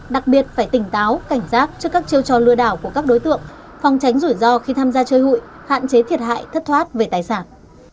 đặc biệt phải tỉnh táo cảnh giác trước các chiêu trò lừa đảo của các đối tượng phòng tránh rủi ro khi tham gia chơi hụi hạn chế thiệt hại thất thoát về tài sản